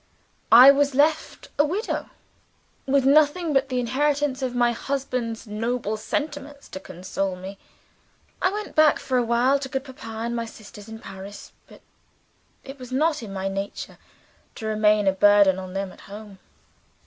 I was left a widow with nothing but the inheritance of my husband's noble sentiments to console me. I went back for awhile to good Papa and my sisters in Paris. But it was not in my nature to remain and be a burden on them at home.